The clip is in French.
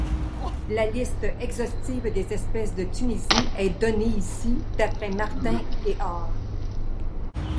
La liste exhaustive des espèces de Tunisie est donnée ici d'après Martin et al.